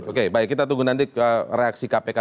oke baik kita tunggu nanti reaksi kpk